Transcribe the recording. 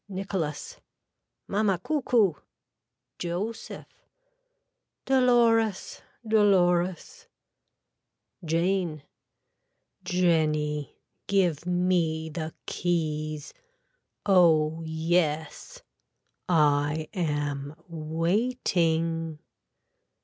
(Nicholas.) Mamma Coockcoo. (Joseph.) Dolores Dolores. (Jane.) Jenny give me the keys. Oh yes. I am waiting.